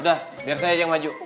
udah biar saya yang wajuk